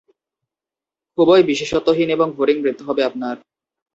খুবই বিশেষত্বহীন এবং বোরিং মৃত্যু হবে আপনার!